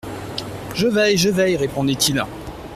Je veille, je veille, répondait-il.